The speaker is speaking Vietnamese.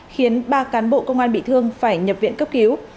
khiến ba cán bộ công an bị thương phải nhập viện cấp cứu